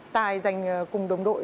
tài giành cùng đồng đội